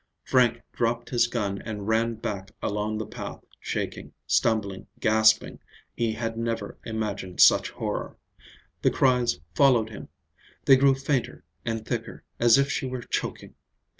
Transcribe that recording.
Frank dropped his gun and ran back along the path, shaking, stumbling, gasping. He had never imagined such horror. The cries followed him. They grew fainter and thicker, as if she were choking.